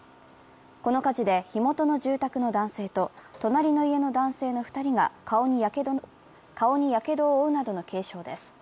この火事で火元の住宅の男性と隣の家の男性の２人が顔にやけどを負うなどの軽傷です。